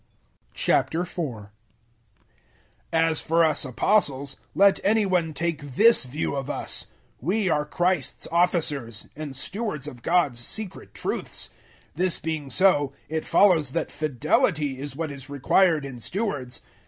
004:001 As for us Apostles, let any one take this view of us we are Christ's officers, and stewards of God's secret truths. 004:002 This being so, it follows that fidelity is what is required in stewards.